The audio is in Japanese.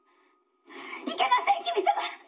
「いけません黍様！